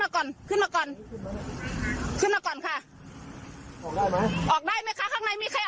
คนอยู่ใช่ไหมออกได้ไหมคะพี่เข้าไปช่วยหน่อย